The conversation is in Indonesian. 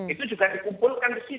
itu juga dikumpulkan di situ